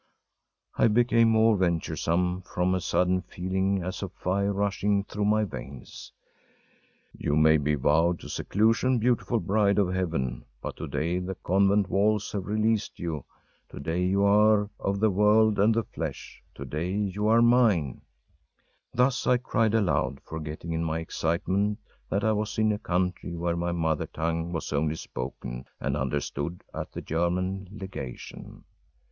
I became more venturesome from a sudden feeling as of fire rushing through my veins. “You may be vowed to seclusion, beautiful bride of Heaven, but to day the convent walls have released you, to day you are of the world and the flesh, to day you are mine!‚ÄĚ Thus I cried aloud, forgetting in my excitement that I was in a country where my mother tongue was only spoken and understood at the German legation.